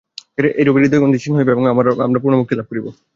এইরূপে হৃদয়-গ্রন্থি ছিন্ন হইবে, এবং আমরা পূর্ণ মুক্তি লাভ করিব।